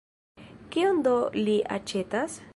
Kion do li aĉetas?